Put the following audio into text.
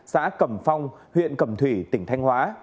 xã cẩm phong huyện cẩm thủy tỉnh thanh hóa